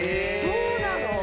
そうなの？